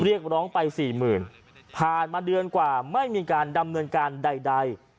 เรียกร้องไปสี่หมื่นผ่านมาเดือนกว่าไม่มีการดำเนินการใด